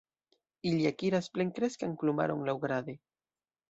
Ili akiras plenkreskan plumaron laŭgrade.